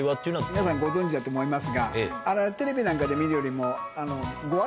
皆さんご存じだと思いますがテレビなんかで見るよりも。